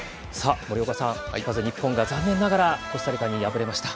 森岡さん、まず日本が残念ながらコスタリカに敗れました。